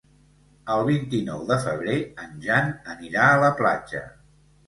El vint-i-nou de febrer en Jan anirà a la platja.